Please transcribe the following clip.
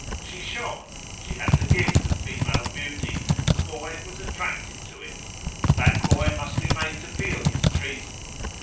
She shone; she had the gift of female beauty; the boy was attracted to it. That boy must be made to feel his treason.